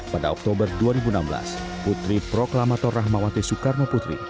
pada oktober dua ribu enam belas putri proklamator rahmawati soekarno putri